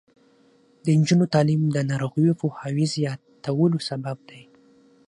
د نجونو تعلیم د ناروغیو پوهاوي زیاتولو سبب دی.